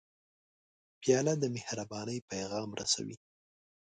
پیاله د مهربانۍ پیغام رسوي.